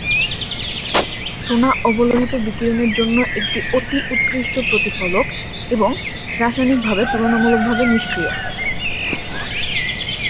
সোনা অবলোহিত বিকিরণের জন্য একটি অতি-উৎকৃষ্ট প্রতিফলক এবং রাসায়নিকভাবে তুলনামূলকভাবে নিষ্ক্রিয়।